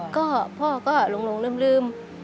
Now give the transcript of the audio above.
แล้วก็พ่อก็ลงลืม